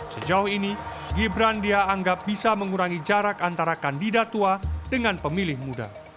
sejauh ini gibran dia anggap bisa mengurangi jarak antara kandidat tua dengan pemilih muda